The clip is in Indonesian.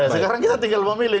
sekarang kita tinggal memilih